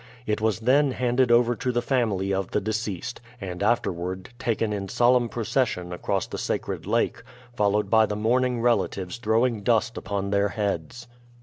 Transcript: It was then handed over to the family of the deceased, and afterward taken in solemn procession across the sacred lake, followed by the mourning relatives throwing dust upon their heads.